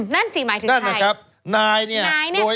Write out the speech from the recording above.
นั่นสิหมายถึงใคร